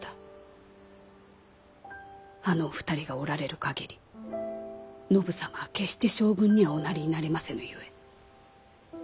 あのお二人がおられる限り信様は決して将軍にはおなりになれませぬゆえ。